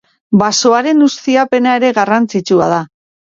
Basoaren ustiapena ere garrantzitsua da.